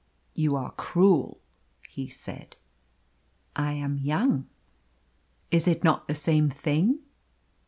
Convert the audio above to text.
"You are cruel!" he said. "I am young " "Is it not the same thing?"